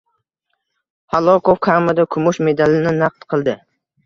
Halokov kamida kumush medalini naqd qildi